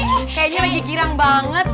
kayaknya lagi kiram banget